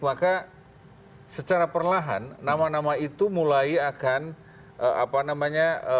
maka secara perlahan nama nama itu mulai akan apa namanya